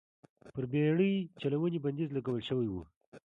پر بېړۍ چلونې بندیز لګول شوی و.